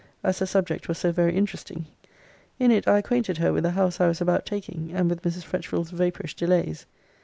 as the subject was so very interesting! In it I acquainted her with the house I was about taking; and with Mrs. Fretchville's vapourish delays.